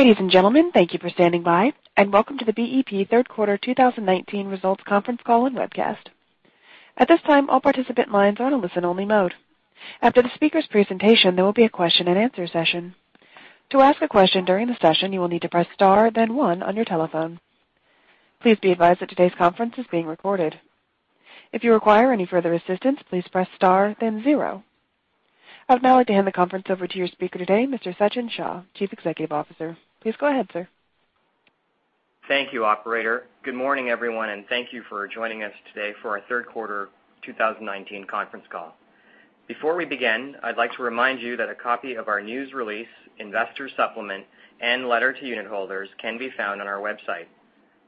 Ladies and gentlemen, thank you for standing by and welcome to the BEP third quarter 2019 results conference call and webcast. At this time, all participant lines are in a listen-only mode. After the speaker's presentation, there will be a question and answer session. To ask a question during the session, you will need to press star then one on your telephone. Please be advised that today's conference is being recorded. If you require any further assistance, please press star then zero. I would now like to hand the conference over to your speaker today, Mr. Sachin Shah, Chief Executive Officer. Please go ahead, sir. Thank you, operator. Good morning, everyone, and thank you for joining us today for our third quarter 2019 conference call. Before we begin, I'd like to remind you that a copy of our news release, investor supplement, and letter to unitholders can be found on our website.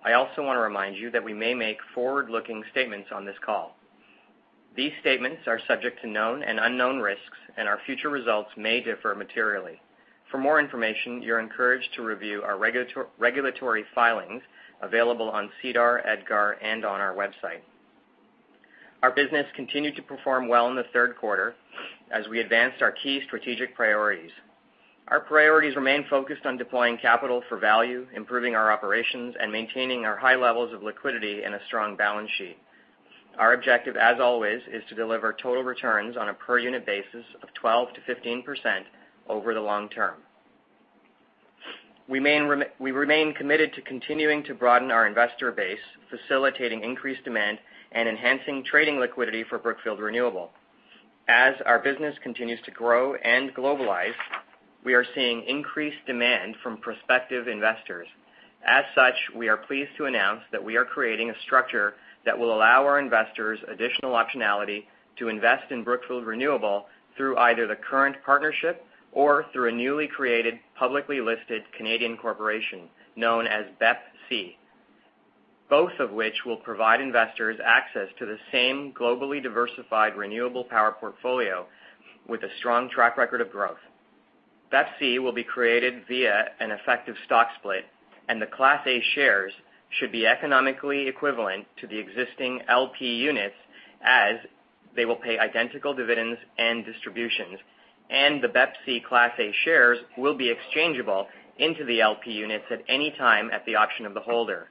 I also want to remind you that we may make forward-looking statements on this call. These statements are subject to known and unknown risks, and our future results may differ materially. For more information, you're encouraged to review our regulatory filings available on SEDAR, EDGAR, and on our website. Our business continued to perform well in the third quarter as we advanced our key strategic priorities. Our priorities remain focused on deploying capital for value, improving our operations, and maintaining our high levels of liquidity and a strong balance sheet. Our objective, as always, is to deliver total returns on a per-unit basis of 12%-15% over the long term. We remain committed to continuing to broaden our investor base, facilitating increased demand and enhancing trading liquidity for Brookfield Renewable. As our business continues to grow and globalize, we are seeing increased demand from prospective investors. As such, we are pleased to announce that we are creating a structure that will allow our investors additional optionality to invest in Brookfield Renewable through either the current partnership or through a newly created, publicly listed Canadian corporation known as BEPC, both of which will provide investors access to the same globally diversified renewable power portfolio with a strong track record of growth. BEPC will be created via an effective stock split, and the Class A shares should be economically equivalent to the existing LP units, as they will pay identical dividends and distributions, and the BEPC Class A shares will be exchangeable into the LP units at any time at the option of the holder.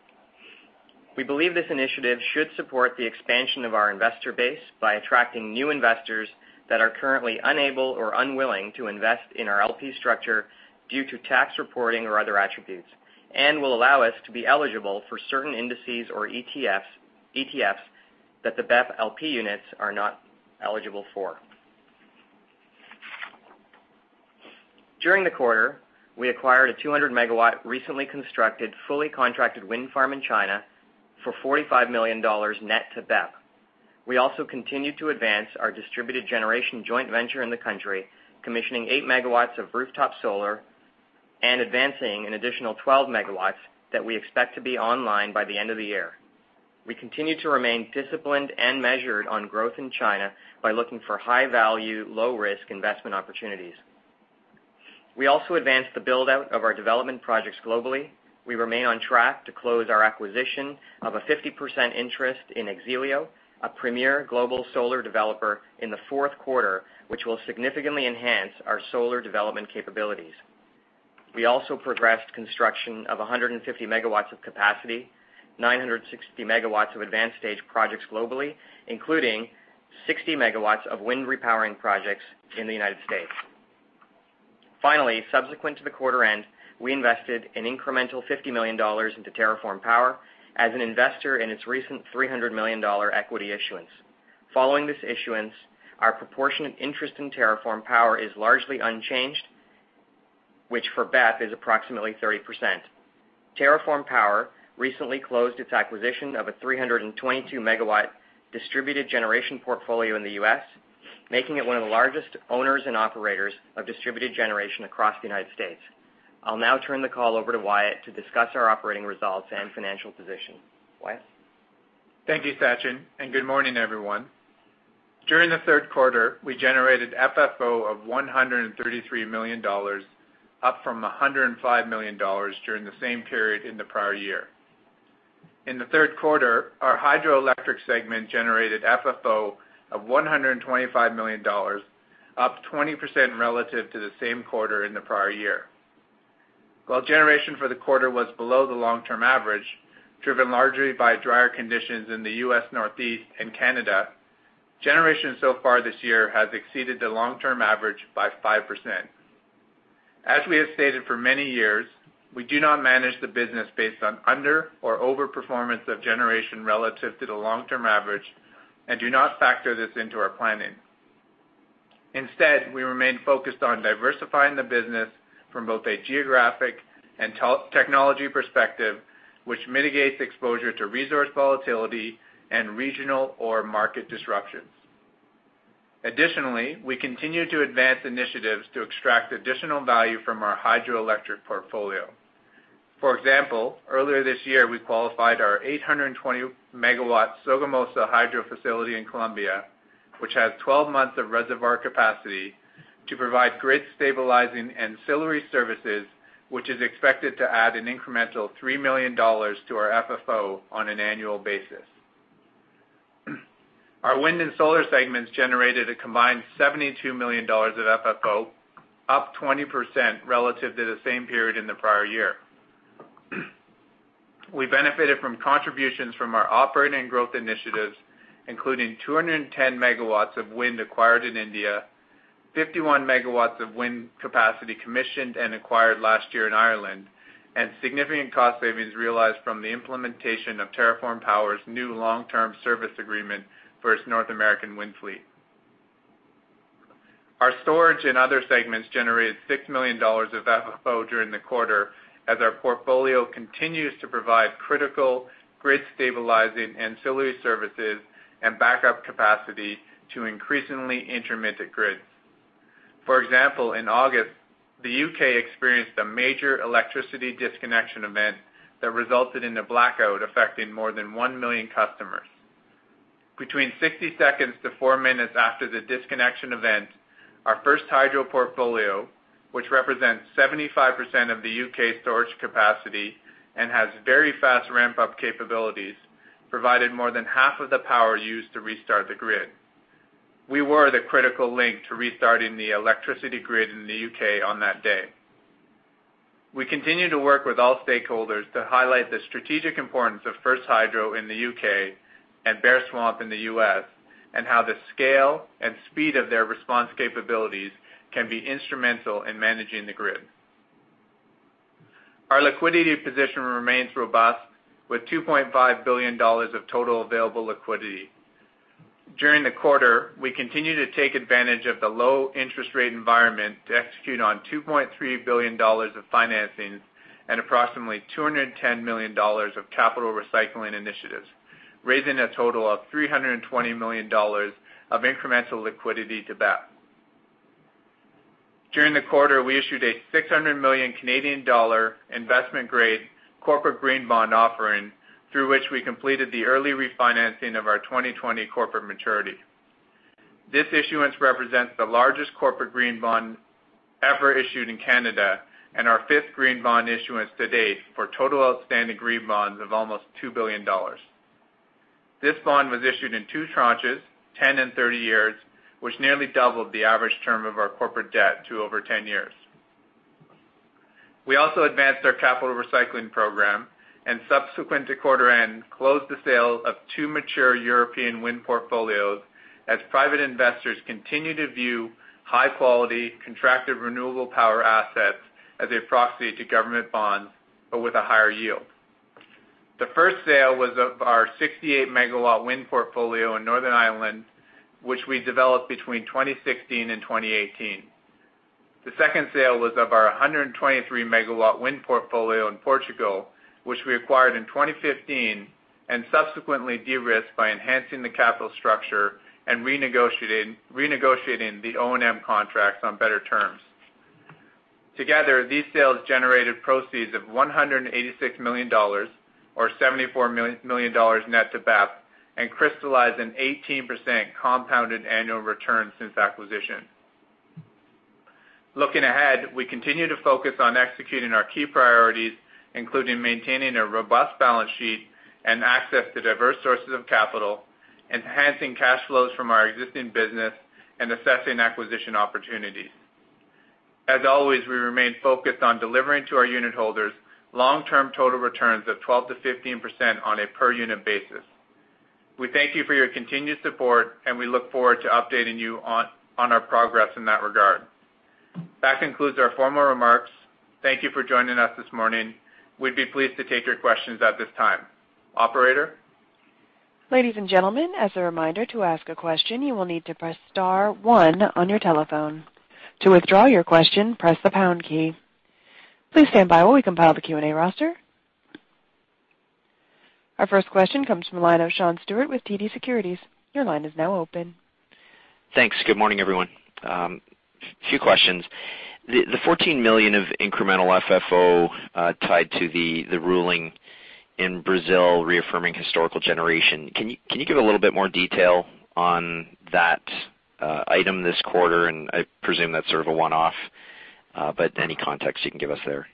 We believe this initiative should support the expansion of our investor base by attracting new investors that are currently unable or unwilling to invest in our LP structure due to tax reporting or other attributes, and will allow us to be eligible for certain indices or ETFs that the BEP LP units are not eligible for. During the quarter, we acquired a 200-megawatt, recently constructed, fully contracted wind farm in China for $45 million net to BEP. We also continued to advance our distributed generation joint venture in the country, commissioning 8 megawatts of rooftop solar and advancing an additional 12 megawatts that we expect to be online by the end of the year. We continue to remain disciplined and measured on growth in China by looking for high-value, low-risk investment opportunities. We also advanced the build-out of our development projects globally. We remain on track to close our acquisition of a 50% interest in X-Elio, a premier global solar developer, in the fourth quarter, which will significantly enhance our solar development capabilities. We also progressed construction of 150 megawatts of capacity, 960 megawatts of advanced-stage projects globally, including 60 megawatts of wind repowering projects in the U.S. Finally, subsequent to the quarter end, we invested an incremental $50 million into TerraForm Power as an investor in its recent $300 million equity issuance. Following this issuance, our proportionate interest in TerraForm Power is largely unchanged, which for BEP is approximately 30%. TerraForm Power recently closed its acquisition of a 322-megawatt distributed generation portfolio in the U.S., making it one of the largest owners and operators of distributed generation across the United States. I'll now turn the call over to Wyatt to discuss our operating results and financial position. Wyatt? Thank you, Sachin, and good morning, everyone. During the third quarter, we generated FFO of $133 million, up from $105 million during the same period in the prior year. In the third quarter, our hydroelectric segment generated FFO of $125 million, up 20% relative to the same quarter in the prior year. While generation for the quarter was below the long-term average, driven largely by drier conditions in the U.S. Northeast and Canada, generation so far this year has exceeded the long-term average by 5%. As we have stated for many years, we do not manage the business based on under or overperformance of generation relative to the long-term average and do not factor this into our planning. Instead, we remain focused on diversifying the business from both a geographic and technology perspective, which mitigates exposure to resource volatility and regional or market disruptions. Additionally, we continue to advance initiatives to extract additional value from our hydroelectric portfolio. For example, earlier this year, we qualified our 820 MW Sogamoso Hydro facility in Colombia, which has 12 months of reservoir capacity to provide grid-stabilizing ancillary services, which is expected to add an incremental $3 million to our FFO on an annual basis. Our wind and solar segments generated a combined $72 million of FFO, up 20% relative to the same period in the prior year. We benefited from contributions from our operating and growth initiatives, including 210 MW of wind acquired in India, 51 MW of wind capacity commissioned and acquired last year in Ireland, and significant cost savings realized from the implementation of TerraForm Power's new long-term service agreement for its North American wind fleet. Our storage and other segments generated $6 million of FFO during the quarter as our portfolio continues to provide critical grid-stabilizing ancillary services and backup capacity to increasingly intermittent grids. For example, in August, the U.K. experienced a major electricity disconnection event that resulted in a blackout affecting more than 1 million customers. Between 60 seconds to 4 minutes after the disconnection event, our First Hydro portfolio, which represents 75% of the U.K.'s storage capacity and has very fast ramp-up capabilities, provided more than half of the power used to restart the grid. We were the critical link to restarting the electricity grid in the U.K. on that day. We continue to work with all stakeholders to highlight the strategic importance of First Hydro in the U.K. and Bear Swamp in the U.S., and how the scale and speed of their response capabilities can be instrumental in managing the grid. Our liquidity position remains robust, with $2.5 billion of total available liquidity. During the quarter, we continued to take advantage of the low interest rate environment to execute on $2.3 billion of financing and approximately $210 million of capital recycling initiatives, raising a total of $320 million of incremental liquidity to BEP. During the quarter, we issued a 600 million Canadian dollar Canadian investment-grade corporate green bond offering, through which we completed the early refinancing of our 2020 corporate maturity. This issuance represents the largest corporate green bond ever issued in Canada and our fifth green bond issuance to date, for total outstanding green bonds of almost $2 billion. This bond was issued in two tranches, 10 and 30 years, which nearly doubled the average term of our corporate debt to over ten years. We also advanced our capital recycling program and, subsequent to quarter end, closed the sale of two mature European wind portfolios as private investors continue to view high-quality, contracted renewable power assets as a proxy to government bonds, but with a higher yield. The first sale was of our 68 MW wind portfolio in Northern Ireland, which we developed between 2016 and 2018. The second sale was of our 123 MW wind portfolio in Portugal, which we acquired in 2015 and subsequently de-risked by enhancing the capital structure and renegotiating the O&M contracts on better terms. Together, these sales generated proceeds of $186 million, or $74 million net to BEP, and crystallized an 18% compounded annual return since acquisition. Looking ahead, we continue to focus on executing our key priorities, including maintaining a robust balance sheet and access to diverse sources of capital, enhancing cash flows from our existing business, and assessing acquisition opportunities. As always, we remain focused on delivering to our unit holders long-term total returns of 12%-15% on a per-unit basis. We thank you for your continued support, and we look forward to updating you on our progress in that regard. That concludes our formal remarks. Thank you for joining us this morning. We'd be pleased to take your questions at this time. Operator? Ladies and gentlemen, as a reminder, to ask a question, you will need to press star one on your telephone. To withdraw your question, press the pound key. Please stand by while we compile the Q&A roster. Our first question comes from the line of Sean Stewart with TD Securities. Your line is now open. Thanks. Good morning, everyone. A few questions. The $14 million of incremental FFO tied to the ruling in Brazil reaffirming historical generation, can you give a little bit more detail on that item this quarter? I presume that's sort of a one-off, but any context you can give us there?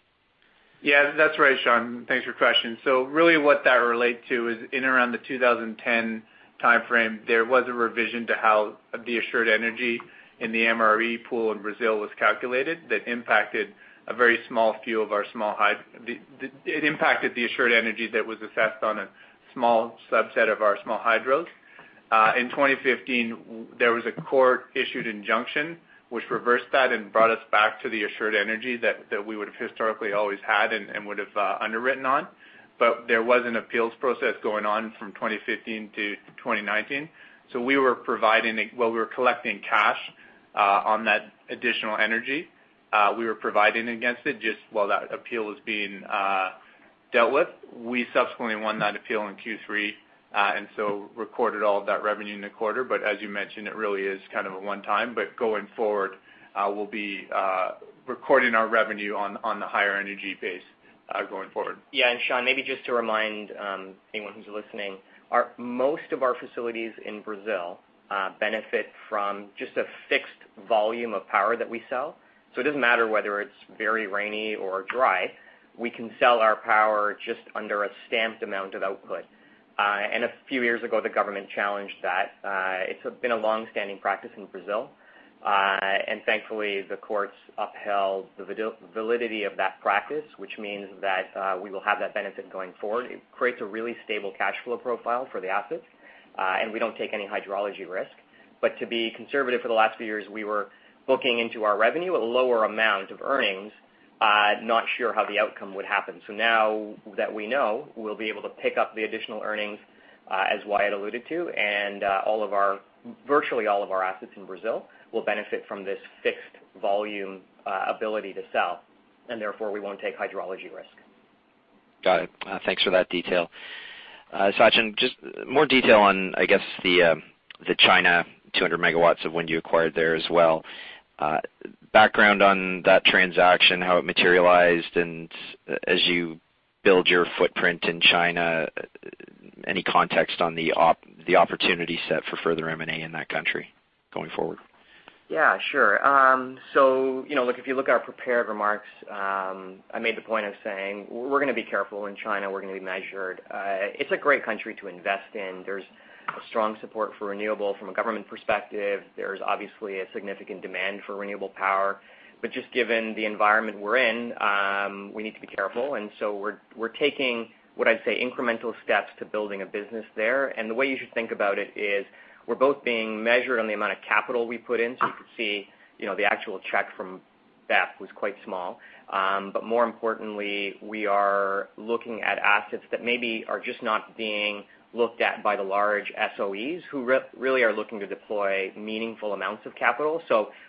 Yeah, that's right, Sean. Thanks for your question. Really what that relates to is in and around the 2010 timeframe, there was a revision to how the assured energy in the MRE pool in Brazil was calculated that impacted the assured energy that was assessed on a small subset of our small hydros. In 2015, there was a court-issued injunction which reversed that and brought us back to the assured energy that we would have historically always had and would have underwritten on. There was an appeals process going on from 2015 to 2019. We were collecting cash on that additional energy. We were providing against it just while that appeal was being dealt with. We subsequently won that appeal in Q3, recorded all of that revenue in the quarter. As you mentioned, it really is kind of a one-time. Going forward, we'll be recording our revenue on the higher energy base going forward. Yeah, Sean, maybe just to remind anyone who's listening, most of our facilities in Brazil benefit from just a fixed volume of power that we sell. It doesn't matter whether it's very rainy or dry. We can sell our power just under a stamped amount of output. A few years ago, the government challenged that. It's been a longstanding practice in Brazil. Thankfully, the courts upheld the validity of that practice, which means that we will have that benefit going forward. It creates a really stable cash flow profile for the assets. We don't take any hydrology risk. To be conservative, for the last few years, we were booking into our revenue a lower amount of earnings, not sure how the outcome would happen. Now that we know, we'll be able to pick up the additional earnings, as Wyatt alluded to, and virtually all of our assets in Brazil will benefit from this fixed volume ability to sell, and therefore, we won't take hydrology risk. Got it. Thanks for that detail. Sachin, just more detail on, I guess, the China 200 megawatts of wind you acquired there as well. Background on that transaction, how it materialized, and as you build your footprint in China, any context on the opportunity set for further M&A in that country going forward? Yeah, sure. If you look at our prepared remarks, I made the point of saying we're going to be careful in China. We're going to be measured. It's a great country to invest in. There's a strong support for renewable from a government perspective. There's obviously a significant demand for renewable power. Just given the environment we're in, we need to be careful. We're taking, what I'd say, incremental steps to building a business there. The way you should think about it is we're both being measured on the amount of capital we put in. You could see the actual check from BEP was quite small. More importantly, we are looking at assets that maybe are just not being looked at by the large SOEs who really are looking to deploy meaningful amounts of capital.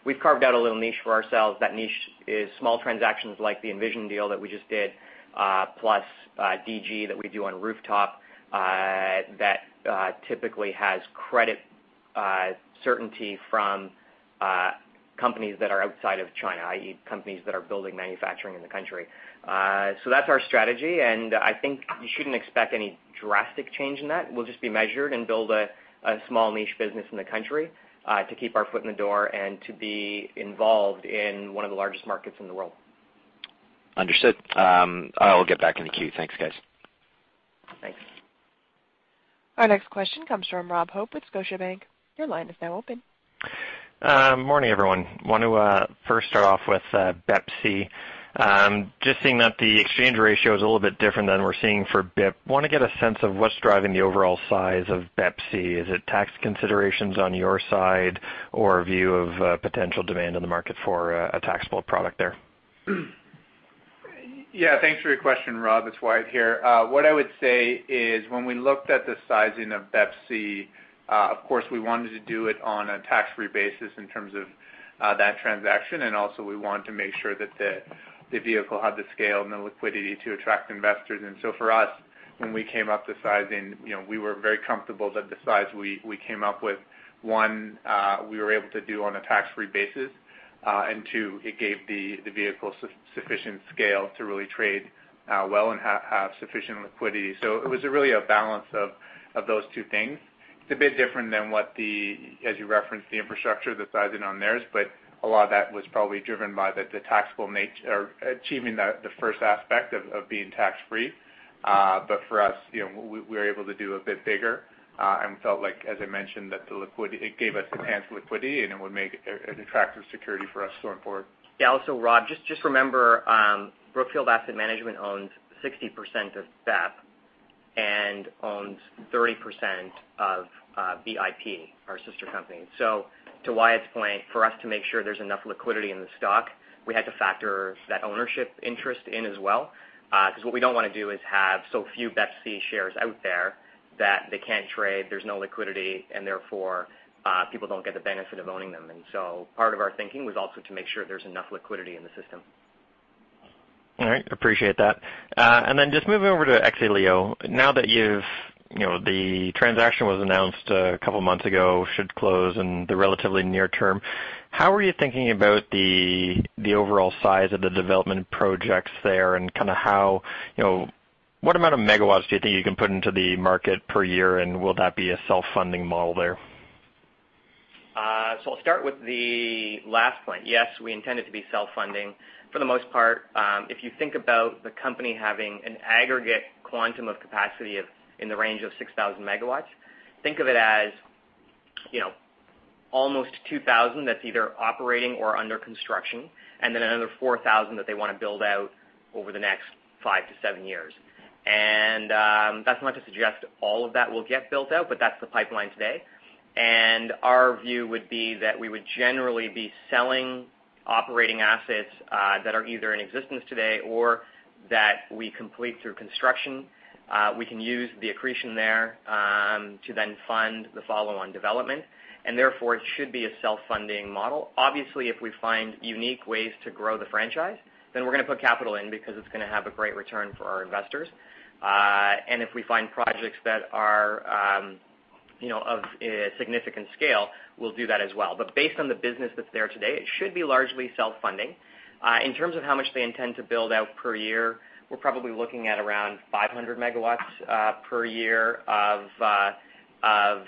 We've carved out a little niche for ourselves. That niche is small transactions like the Envision deal that we just did, plus DG that we do on rooftop, that typically has credit certainty from companies that are outside of China, i.e., companies that are building manufacturing in the country. That's our strategy, and I think you shouldn't expect any drastic change in that. We'll just be measured and build a small niche business in the country, to keep our foot in the door and to be involved in one of the largest markets in the world. Understood. I will get back in the queue. Thanks, guys. Thanks. Our next question comes from Rob Hope with Scotiabank. Your line is now open. Morning, everyone. I want to first start off with BEPC. I am just seeing that the exchange ratio is a little bit different than we're seeing for BIP. I want to get a sense of what's driving the overall size of BEPC. Is it tax considerations on your side or view of potential demand in the market for a taxable product there? Thanks for your question, Rob. It's Wyatt here. What I would say is when we looked at the sizing of BEPC, of course, we wanted to do it on a tax-free basis in terms of that transaction, and also we wanted to make sure that the vehicle had the scale and the liquidity to attract investors. For us, when we came up with the sizing, we were very comfortable that the size we came up with, one, we were able to do on a tax-free basis, and two, it gave the vehicle sufficient scale to really trade well and have sufficient liquidity. It was really a balance of those two things. It's a bit different than what the, as you referenced, the infrastructure, the sizing on theirs. A lot of that was probably driven by achieving the first aspect of being tax-free. For us, we were able to do a bit bigger, and we felt like, as I mentioned, that it gave us enhanced liquidity, and it would make an attractive security for us going forward. Yeah. Rob, just remember, Brookfield Asset Management owns 60% of BEP and owns 30% of BIP, our sister company. To Wyatt's point, for us to make sure there's enough liquidity in the stock, we had to factor that ownership interest in as well. What we don't want to do is have so few BEPC shares out there that they can't trade, there's no liquidity, and therefore, people don't get the benefit of owning them. Part of our thinking was also to make sure there's enough liquidity in the system. All right. Appreciate that. Just moving over to X-Elio. Now that the transaction was announced 2 months ago, should close in the relatively near term. How are you thinking about the overall size of the development projects there and what amount of megawatts do you think you can put into the market per year, and will that be a self-funding model there? I'll start with the last point. Yes, we intend it to be self-funding. For the most part, if you think about the company having an aggregate quantum of capacity in the range of 6,000 megawatts, think of it as almost 2,000 that's either operating or under construction, and then another 4,000 that they want to build out over the next five to seven years. That's not to suggest all of that will get built out, but that's the pipeline today. Our view would be that we would generally be selling operating assets that are either in existence today or that we complete through construction. We can use the accretion there to then fund the follow-on development, and therefore, it should be a self-funding model. Obviously, if we find unique ways to grow the franchise, then we're going to put capital in because it's going to have a great return for our investors. If we find projects that are of a significant scale, we'll do that as well. Based on the business that's there today, it should be largely self-funding. In terms of how much they intend to build out per year, we're probably looking at around 500 megawatts per year of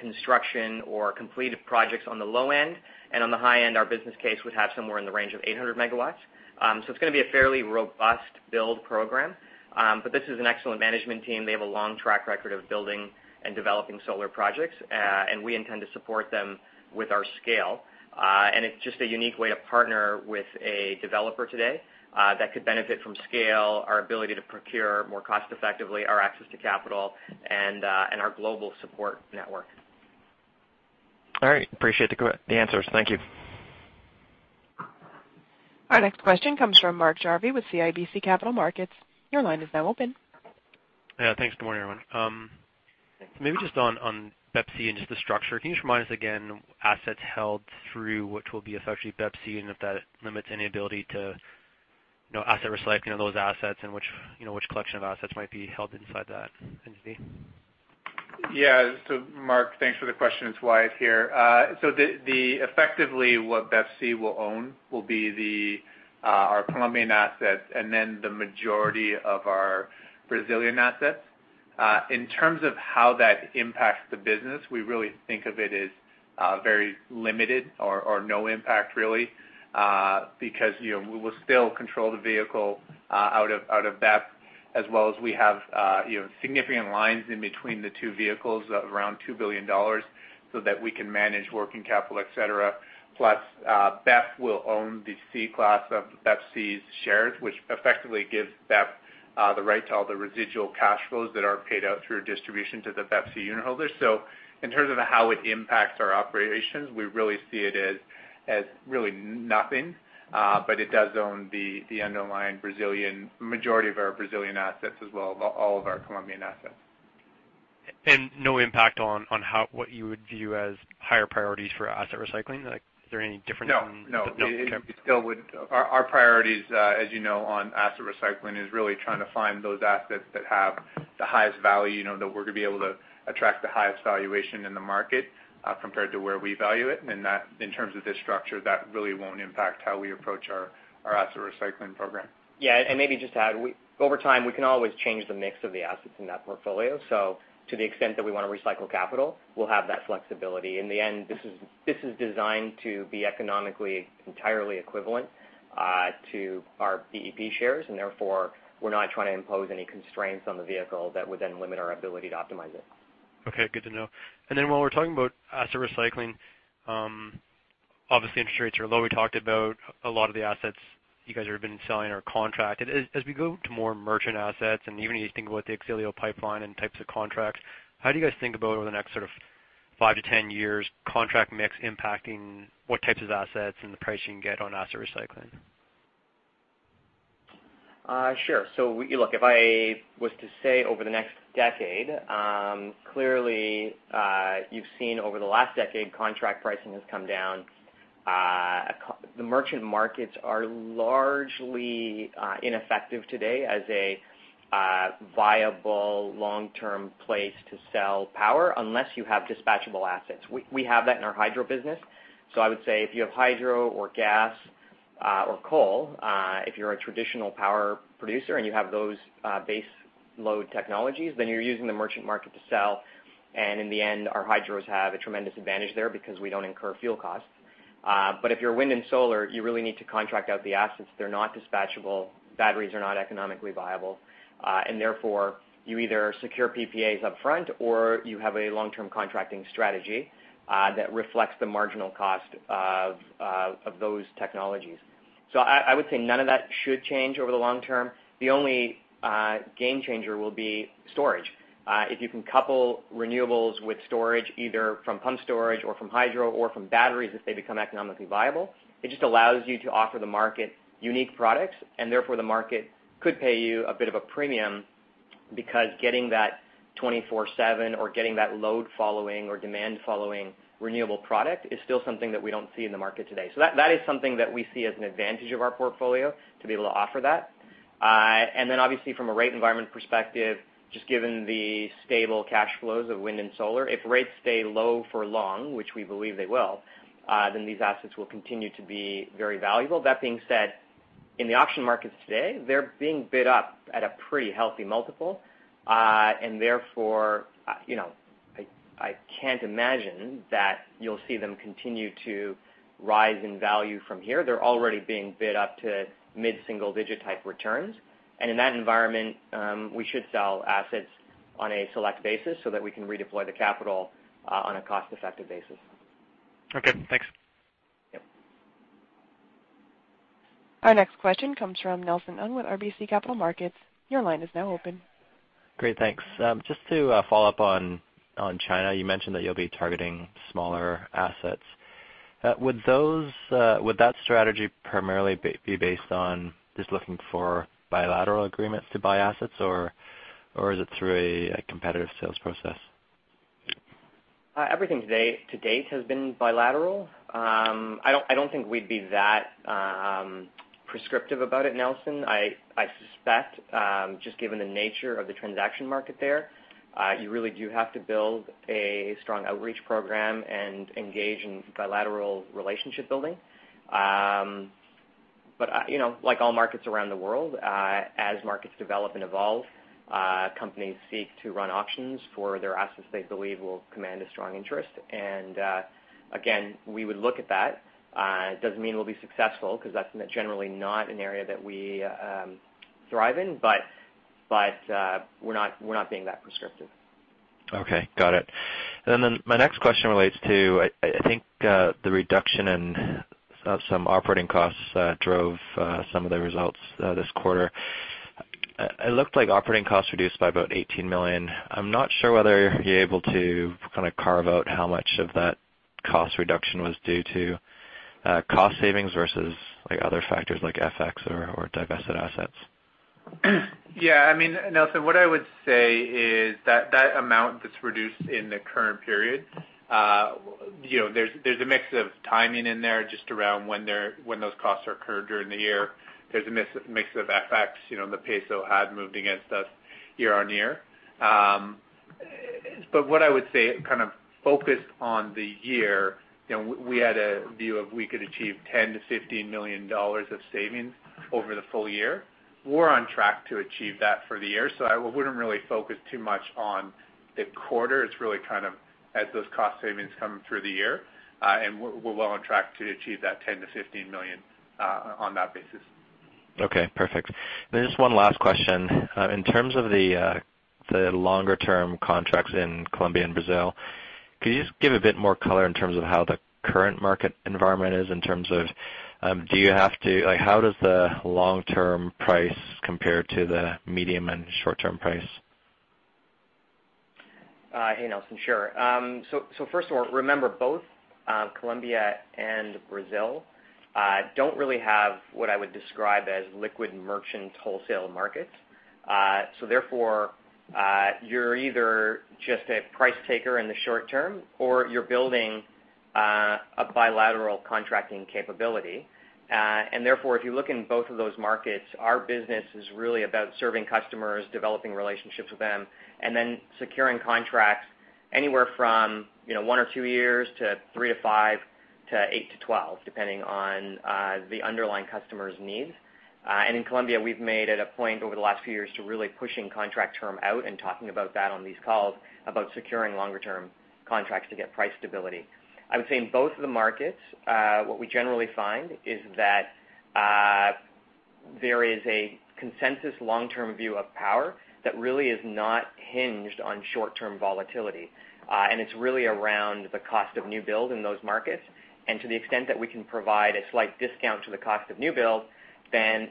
construction or completed projects on the low end, and on the high end, our business case would have somewhere in the range of 800 megawatts. It's going to be a fairly robust build program. This is an excellent management team. They have a long track record of building and developing solar projects, and we intend to support them with our scale. It's just a unique way to partner with a developer today that could benefit from scale, our ability to procure more cost effectively, our access to capital, and our global support network. All right. Appreciate the answers. Thank you. Our next question comes from Mark Jarvi with CIBC Capital Markets. Your line is now open. Yeah, thanks. Good morning, everyone. Maybe just on BEPC and just the structure, can you just remind us again, assets held through which will be effectively BEPC, and if that limits any ability to asset recycling of those assets and which collection of assets might be held inside that entity? Yeah. Mark, thanks for the question. It's Wyatt here. Effectively, what BEPC will own will be our Colombian assets and then the majority of our Brazilian assets. In terms of how that impacts the business, we really think of it as very limited or no impact, really. We will still control the vehicle out of BEP as well as we have significant lines in between the two vehicles of around $2 billion so that we can manage working capital, et cetera. Plus, BEP will own the C class of BEPC's shares, which effectively gives BEP the right to all the residual cash flows that are paid out through distribution to the BEPC unitholders. In terms of how it impacts our operations, we really see it as really nothing. It does own the underlying Brazilian, majority of our Brazilian assets as well, all of our Colombian assets. No impact on what you would view as higher priorities for asset recycling? No. Okay. Our priorities, as you know, on asset recycling, is really trying to find those assets that have the highest value, that we're going to be able to attract the highest valuation in the market, compared to where we value it. In terms of this structure, that really won't impact how we approach our asset recycling program. Yeah, and maybe just to add, over time, we can always change the mix of the assets in that portfolio. To the extent that we want to recycle capital, we'll have that flexibility. In the end, this is designed to be economically entirely equivalent to our BEP shares, and therefore, we're not trying to impose any constraints on the vehicle that would then limit our ability to optimize it. Okay, good to know. While we're talking about asset recycling, obviously interest rates are low. We talked about a lot of the assets you guys have been selling are contracted. As we go to more merchant assets, and even as you think about the X-Elio pipeline and types of contracts, how do you guys think about over the next 5-10 years contract mix impacting what types of assets and the price you can get on asset recycling? Sure. Look, if I was to say over the next decade, clearly, you've seen over the last decade, contract pricing has come down. The merchant markets are largely ineffective today as a viable long-term place to sell power, unless you have dispatchable assets. We have that in our hydro business. I would say if you have hydro or gas or coal, if you're a traditional power producer and you have those base load technologies, then you're using the merchant market to sell. In the end, our hydros have a tremendous advantage there because we don't incur fuel costs. If you're wind and solar, you really need to contract out the assets. They're not dispatchable. Batteries are not economically viable. Therefore, you either secure PPAs upfront or you have a long-term contracting strategy that reflects the marginal cost of those technologies. I would say none of that should change over the long term. The only game changer will be storage. If you can couple renewables with storage, either from pump storage or from hydro or from batteries, if they become economically viable, it just allows you to offer the market unique products, and therefore, the market could pay you a bit of a premium because getting that 24/7 or getting that load following or demand following renewable product is still something that we don't see in the market today. That is something that we see as an advantage of our portfolio, to be able to offer that. Obviously from a rate environment perspective, just given the stable cash flows of wind and solar, if rates stay low for long, which we believe they will, then these assets will continue to be very valuable. That being said, in the auction markets today, they're being bid up at a pretty healthy multiple. Therefore, I can't imagine that you'll see them continue to rise in value from here. They're already being bid up to mid-single-digit type returns. In that environment, we should sell assets on a select basis so that we can redeploy the capital on a cost-effective basis. Okay, thanks. Yep. Our next question comes from Nelson Ng with RBC Capital Markets. Your line is now open. Great, thanks. Just to follow up on China, you mentioned that you'll be targeting smaller assets. Would that strategy primarily be based on just looking for bilateral agreements to buy assets, or is it through a competitive sales process? Everything to date has been bilateral. I don't think we'd be that prescriptive about it, Nelson. I suspect, just given the nature of the transaction market there, you really do have to build a strong outreach program and engage in bilateral relationship building. Like all markets around the world, as markets develop and evolve, companies seek to run auctions for their assets they believe will command a strong interest. Again, we would look at that. It doesn't mean we'll be successful, because that's generally not an area that we thrive in, but we're not being that prescriptive. Okay. Got it. My next question relates to, I think, the reduction in some operating costs that drove some of the results this quarter. It looked like operating costs reduced by about $18 million. I'm not sure whether you're able to kind of carve out how much of that cost reduction was due to cost savings versus other factors like FX or divested assets. Yeah. Nelson, what I would say is that amount that's reduced in the current period, there's a mix of timing in there, just around when those costs are incurred during the year. There's a mix of FX. The peso had moved against us year-on-year. What I would say, kind of focused on the year, we had a view of we could achieve $10 million-$15 million of savings over the full year. We're on track to achieve that for the year. I wouldn't really focus too much on the quarter. It's really kind of as those cost savings come through the year. We're well on track to achieve that $10 million-$15 million on that basis. Okay, perfect. Just one last question. In terms of the longer-term contracts in Colombia and Brazil, could you just give a bit more color in terms of how the current market environment is in terms of how does the long-term price compare to the medium and short-term price? Hey, Nelson. Sure. First of all, remember both Colombia and Brazil don't really have what I would describe as liquid merchant wholesale markets. Therefore, you're either just a price taker in the short term, or you're building a bilateral contracting capability. Therefore, if you look in both of those markets, our business is really about serving customers, developing relationships with them, and then securing contracts anywhere from one or two years to three to five to eight to 12, depending on the underlying customer's needs. In Colombia, we've made it a point over the last few years to really pushing contract term out and talking about that on these calls about securing longer-term contracts to get price stability. I would say in both of the markets, what we generally find is that there is a consensus long-term view of power that really is not hinged on short-term volatility. It's really around the cost of new build in those markets, and to the extent that we can provide a slight discount to the cost of new build, then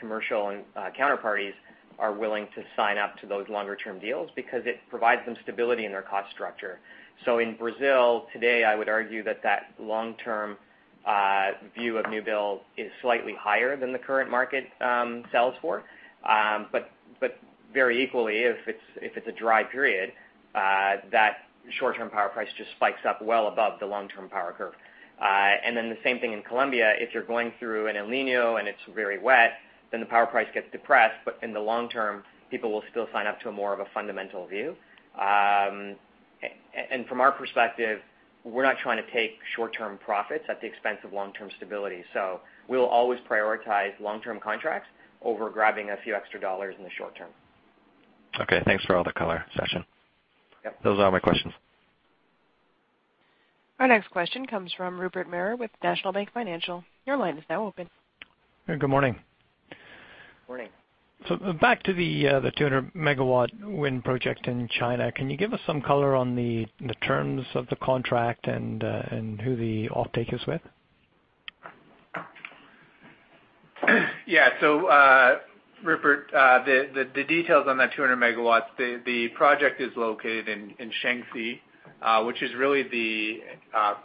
commercial counterparties are willing to sign up to those longer-term deals because it provides them stability in their cost structure. In Brazil today, I would argue that long-term view of new build is slightly higher than the current market sells for. Very equally, if it's a dry period, that short-term power price just spikes up well above the long-term power curve. Then the same thing in Colombia, if you're going through an El Niño and it's very wet, then the power price gets depressed. In the long term, people will still sign up to a more of a fundamental view. From our perspective, we're not trying to take short-term profits at the expense of long-term stability. We'll always prioritize long-term contracts over grabbing a few extra dollars in the short term. Okay, thanks for all the color, Sachin. Yep. Those are all my questions. Our next question comes from Rupert Merer with National Bank Financial. Your line is now open. Good morning. Morning. Back to the 200-megawatt wind project in China. Can you give us some color on the terms of the contract and who the offtake is with? Rupert, the details on that 200 megawatts, the project is located in Shanxi, which is really the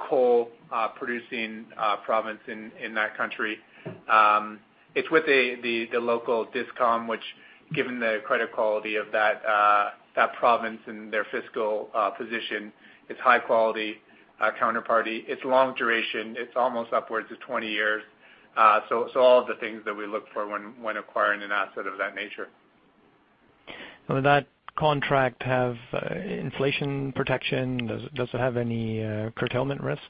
coal-producing province in that country. It's with the local discom, which given the credit quality of that province and their fiscal position, it's high-quality counterparty. It's long duration. It's almost upwards of 20 years. All of the things that we look for when acquiring an asset of that nature. Will that contract have inflation protection? Does it have any curtailment risks?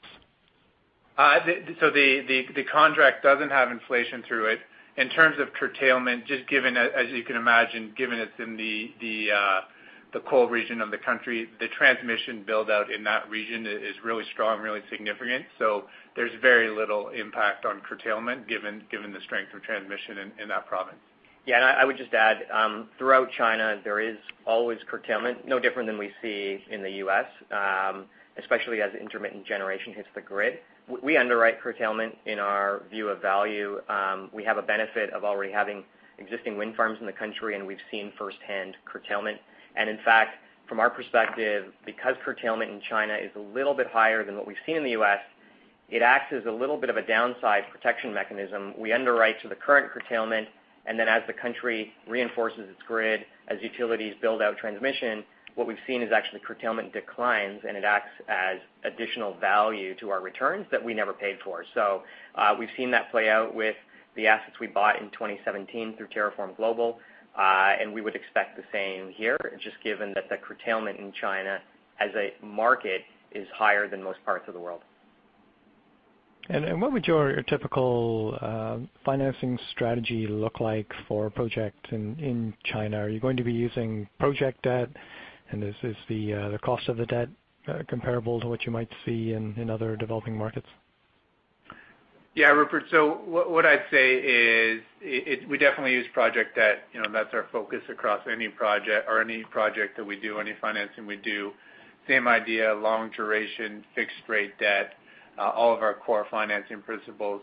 The contract doesn't have inflation through it. In terms of curtailment, as you can imagine, given it's in the coal region of the country, the transmission build-out in that region is really strong, really significant. There's very little impact on curtailment given the strength of transmission in that province. Yeah, I would just add, throughout China, there is always curtailment, no different than we see in the U.S., especially as intermittent generation hits the grid. We underwrite curtailment in our view of value. We have a benefit of already having existing wind farms in the country, and we've seen firsthand curtailment. In fact, from our perspective, because curtailment in China is a little bit higher than what we've seen in the U.S., it acts as a little bit of a downside protection mechanism. We underwrite to the current curtailment, and then as the country reinforces its grid, as utilities build out transmission, what we've seen is actually curtailment declines, and it acts as additional value to our returns that we never paid for. We've seen that play out with the assets we bought in 2017 through TerraForm Global, and we would expect the same here, just given that the curtailment in China as a market is higher than most parts of the world. What would your typical financing strategy look like for a project in China? Are you going to be using project debt? Is the cost of the debt comparable to what you might see in other developing markets? Rupert, what I'd say is we definitely use project debt. That's our focus across any project, or any project that we do, any financing we do. Same idea, long duration, fixed-rate debt, all of our core financing principles.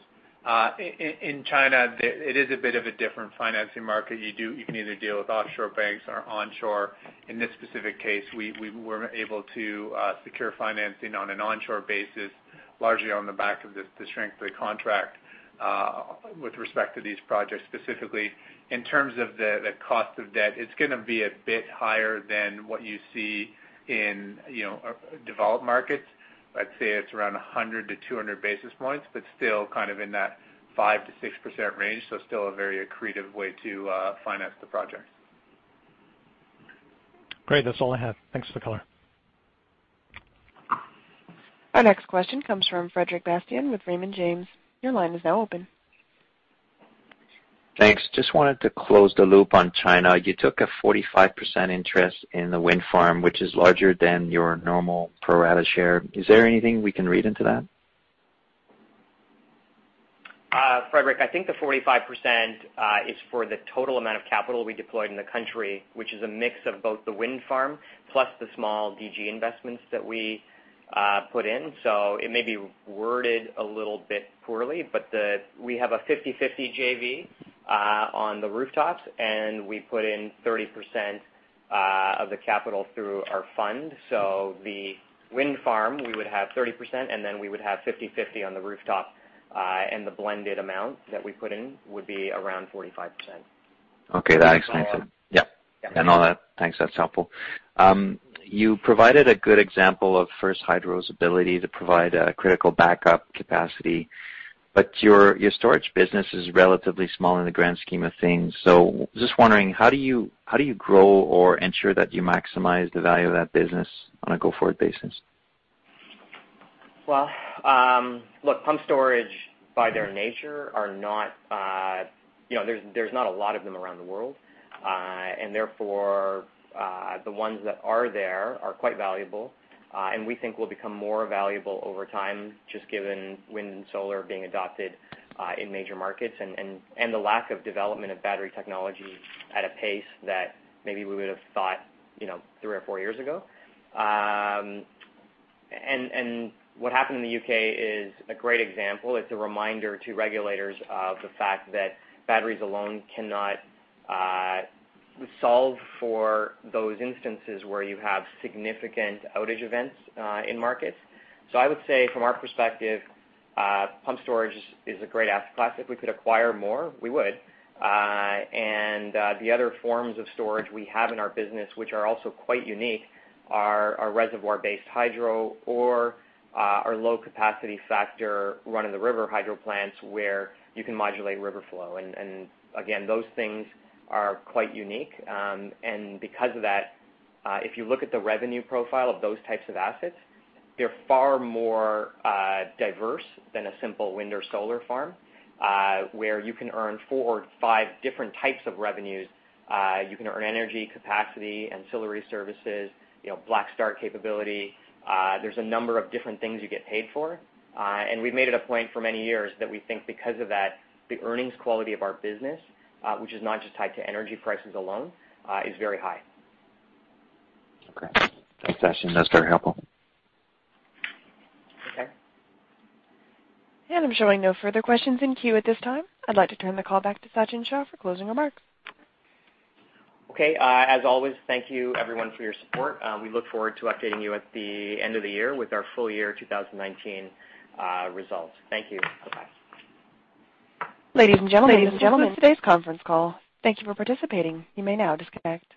In China, it is a bit of a different financing market. You can either deal with offshore banks or onshore. In this specific case, we were able to secure financing on an onshore basis, largely on the back of the strength of the contract with respect to these projects specifically. In terms of the cost of debt, it's going to be a bit higher than what you see in developed markets. I'd say it's around 100 to 200 basis points, but still in that 5%-6% range, still a very accretive way to finance the project. Great. That's all I have. Thanks for the color. Our next question comes from Frederic Bastien with Raymond James. Your line is now open. Thanks. Just wanted to close the loop on China. You took a 45% interest in the wind farm, which is larger than your normal pro rata share. Is there anything we can read into that? Frederic, I think the 45% is for the total amount of capital we deployed in the country, which is a mix of both the wind farm plus the small DG investments that we put in. It may be worded a little bit poorly, but we have a 50/50 JV on the rooftops, and we put in 30% of the capital through our fund. The wind farm, we would have 30%, and then we would have 50/50 on the rooftop. The blended amount that we put in would be around 45%. Okay. That explains it. Yep. Yeah. Got all that. Thanks. That's helpful. You provided a good example of First Hydro's ability to provide a critical backup capacity, your storage business is relatively small in the grand scheme of things. Just wondering, how do you grow or ensure that you maximize the value of that business on a go-forward basis? Look, pumped storage, by their nature, there's not a lot of them around the world. Therefore, the ones that are there are quite valuable, and we think will become more valuable over time, just given wind and solar being adopted in major markets, and the lack of development of battery technology at a pace that maybe we would've thought three or four years ago. What happened in the U.K. is a great example. It's a reminder to regulators of the fact that batteries alone cannot solve for those instances where you have significant outage events in markets. I would say from our perspective, pumped storage is a great asset class. If we could acquire more, we would. The other forms of storage we have in our business, which are also quite unique, are reservoir-based hydro or our low-capacity factor run-of-the-river hydro plants where you can modulate river flow. Again, those things are quite unique. Because of that, if you look at the revenue profile of those types of assets, they're far more diverse than a simple wind or solar farm, where you can earn four or five different types of revenues. You can earn energy capacity, ancillary services, black start capability. There's a number of different things you get paid for. We've made it a point for many years that we think because of that, the earnings quality of our business, which is not just tied to energy prices alone, is very high. Okay. Thanks, Sachin. That's very helpful. Okay. I'm showing no further questions in queue at this time. I'd like to turn the call back to Sachin Shah for closing remarks. Okay. As always, thank you everyone for your support. We look forward to updating you at the end of the year with our full year 2019 results. Thank you. Bye-bye. Ladies and gentlemen, that concludes today's conference call. Thank you for participating. You may now disconnect.